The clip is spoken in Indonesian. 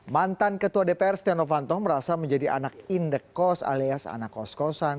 mantan ketua dpr setia novanto merasa menjadi anak indekos alias anak kos kosan